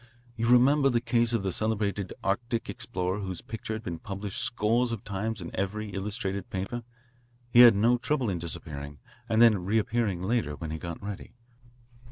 You remember the case of the celebrated Arctic explorer whose picture had been published scores of times in every illustrated paper. He had no trouble in disappearing and then reappearing later, when he got ready.